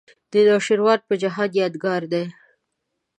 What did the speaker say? د نوشیروان په جهان یادګار دی.